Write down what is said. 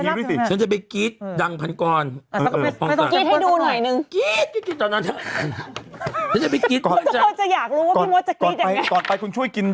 พี่โธวจะอยากรู้ว่าพี่มศจะกรี๊ดยังไงตอนไปต่อไปคุณช่วยกินต้ม